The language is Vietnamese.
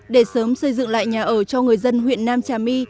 để sớm xây dựng lại nhà ở cho người dân huyện nam trà my